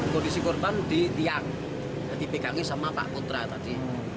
kondisi korban di tiang dipeganggi sama pak putra tadi